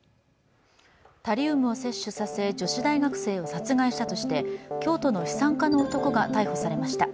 タリウムを摂取させ女子大学生を殺害したとして京都の資産家の男が逮捕されました。